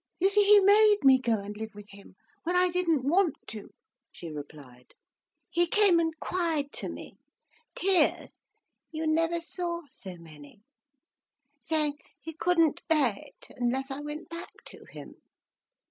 "You see he made me go and live with him, when I didn't want to," she replied. "He came and cried to me, tears, you never saw so many, saying he couldn't bear it unless I went back to him.